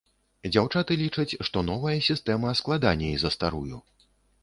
Дзяўчаты лічаць, што новая сістэма складаней за старую.